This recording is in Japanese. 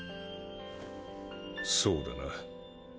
そうだな。